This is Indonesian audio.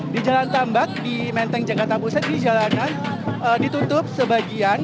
di jalan tambak di menteng jakarta pusat ini jalanan ditutup sebagian